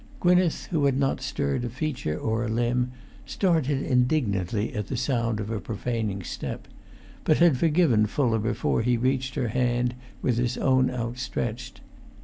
Gwynneth, who had not stirred a feature or a limb, started indignantly at the sound of a profaning step; but had forgiven Fuller before he reached her hand with his own outstretched.